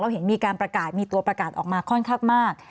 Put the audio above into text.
เห็นมีการประกาศมีตัวประกาศออกมาค่อนข้างมาก